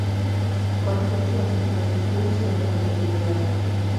O reforzo das infraestruturas e a conectividade.